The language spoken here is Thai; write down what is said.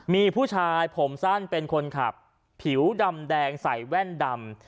มีผู้ชายผมสั้นเป็นคนขับผิวดำแดงใส่แว่นดำ